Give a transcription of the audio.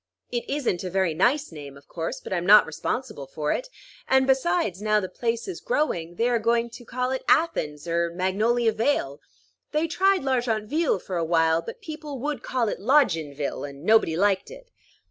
It isn't a very nice name, of course, but I'm not responsible for it; and besides, now the place is growing, they are going to call it Athens or Magnolia Vale. They tried L'Argentville for a while; but people would call it Lodginville, and nobody liked it."